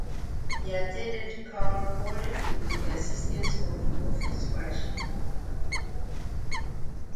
He attended Cal Poly with the assistance of a golf scholarship.